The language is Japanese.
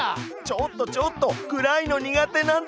ちょっとちょっと暗いの苦手なんだけど！